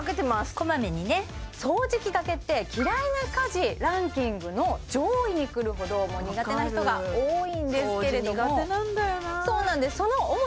こまめにね掃除機がけって嫌いな家事ランキングの上位に来るほどもう苦手な人が多いんですけれども分かる掃除